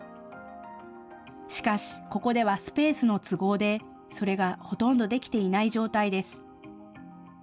しかし、ここではスペースの都合で、それがほとんどできていない状態です。